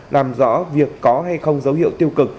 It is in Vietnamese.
làm rõ việc có hay không dấu hiệu tiêu cực